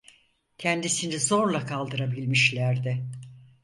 Kendisini zorla kaldırabilmişlerdi.